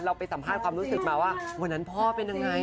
ไปสัมภาษณ์ความรู้สึกมาว่าวันนั้นพ่อเป็นยังไง